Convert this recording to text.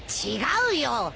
違うよ。